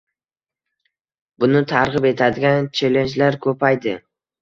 Buni targʻib etadigan chellenjlar koʻpaydi.